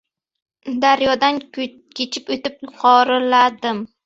Daryodan kechib o‘tib, yuqoriladim.